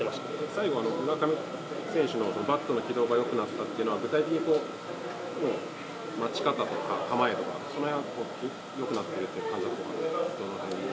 最後は村上選手のバットの軌道がよくなったというのは、具体的に待ち方とか、構えとか、そのへんはよくなってるとお感じになったのはどのあたりで。